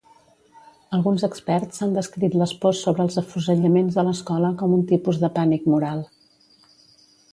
Alguns experts han descrit les pors sobre els afusellaments a l'escola com un tipus de pànic moral.